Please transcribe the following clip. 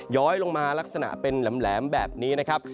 ้อยลงมาลักษณะเป็นแหลมแบบนี้นะครับ